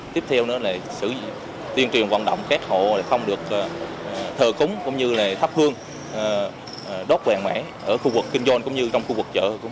tiếp theo là tuyên truyền hoạt động ghét hộ không được thờ cúng thắp hương đốt hoàn mãi ở khu vực kinh doanh cũng như trong khu vực chợ của mình